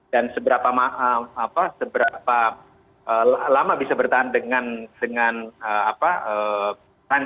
dan seberapa lama bisa bertahan dengan rancangan